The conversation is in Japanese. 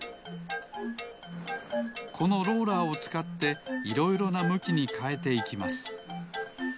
このローラーをつかっていろいろなむきにかえていきます。